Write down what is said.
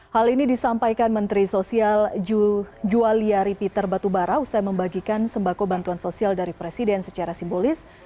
hal ini disampaikan menteri sosial jualiari peter batubara usai membagikan sembako bantuan sosial dari presiden secara simbolis